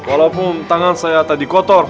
walaupun tangan saya tadi kotor